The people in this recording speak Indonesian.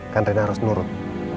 kan rena harus nurut